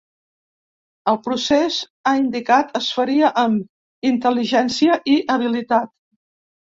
El procés, ha indicat, es faria amb ‘intel·ligència i habilitat’.